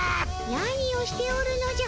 何をしておるのじゃ？